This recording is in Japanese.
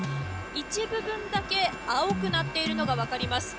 一部分だけ青くなっているのが分かります。